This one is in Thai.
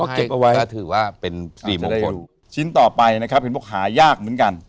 เก็บเอาไว้ก็ถือว่าเป็นสี่มงคลชิ้นต่อไปนะครับเห็นบอกหายากเหมือนกัน